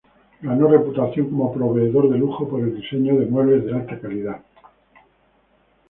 Ganó reputación como proveedor de lujo por el diseño de muebles de alta calidad.